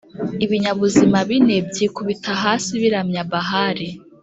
Ibinyabuzima bine byikubita hasi biramya Bahali